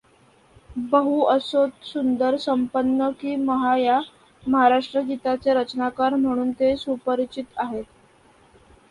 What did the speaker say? बहु असोत सुंदर, संपन्न की महा या महाराष्ट्रगीताचे रचनाकार म्हणून ते सुपरिचित आहेत.